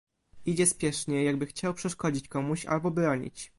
"Idzie spiesznie, jakby chciał przeszkodzić komuś albo bronić."